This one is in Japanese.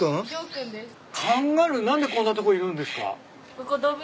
カンガルー何でこんなとこいるんですか？